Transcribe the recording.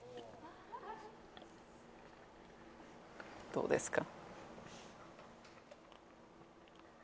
どうですか？